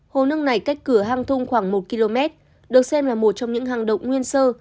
hồ nước này cách cửa hang thung khoảng một km được xem là một trong những hang động nguyên sơ